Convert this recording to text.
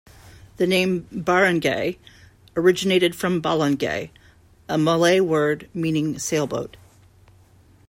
The name "barangay" originated from "balangay", a Malay word meaning "sailboat".